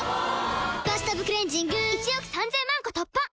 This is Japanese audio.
「バスタブクレンジング」１億３０００万個突破！